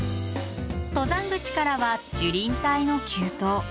登山口からは樹林帯の急登。